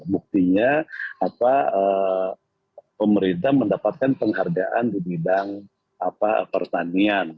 buktinya pemerintah mendapatkan penghargaan di bidang pertanian